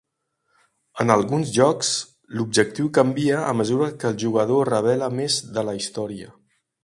En alguns jocs, l'objectiu canvia a mesura que el jugador revela més de la història.